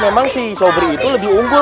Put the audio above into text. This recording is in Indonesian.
memang si sobri itu lebih unggul